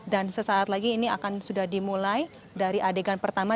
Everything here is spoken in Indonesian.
dan sesaat lagi ini akan sudah dimulai dari adegan pertama